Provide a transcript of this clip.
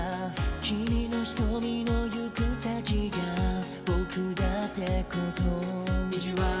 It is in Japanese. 「君の瞳の行く先が僕だってことを」